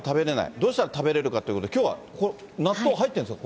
どうしたら食べれるかということで、きょうは納豆入ってるんですか？